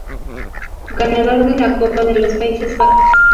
Ganador de la Copa de los Países Bajos.